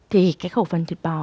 thì cái khẩu phấn thịt bò